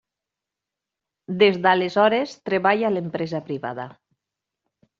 Des d'aleshores, treballa a l'empresa privada.